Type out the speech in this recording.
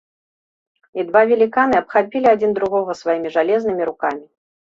І два веліканы абхапілі адзін другога сваімі жалезнымі рукамі.